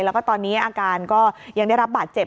แล้วก็ตอนนี้อาการก็ยังได้รับบาดเจ็บ